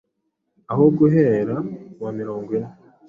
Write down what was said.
aho Guhera mu wa mirongo ine